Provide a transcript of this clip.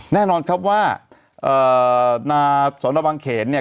แน่นอนครับว่านาสนบังเขนเนี่ย